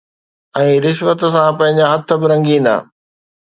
۽ رشوت سان پنهنجا هٿ به رنگيندا.